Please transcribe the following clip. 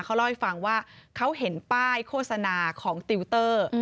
เขาเล่าให้ฟังว่าเขาเห็นป้ายโฆษณาของติวเตอร์